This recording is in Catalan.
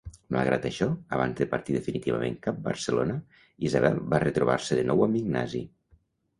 Malgrat això, abans de partir definitivament cap Barcelona, Isabel va retrobar-se de nou amb Ignasi.